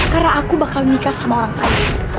karena aku bakal nikah sama orang lain